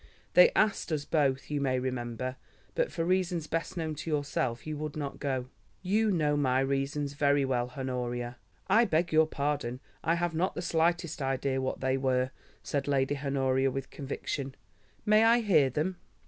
They asked us both, you may remember, but for reasons best known to yourself, you would not go." "You know my reasons very well, Honoria." "I beg your pardon. I have not the slightest idea what they were," said Lady Honoria with conviction. "May I hear them?"